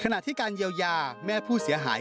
ขณะที่การเยียวยาแม่ผู้เสียหาย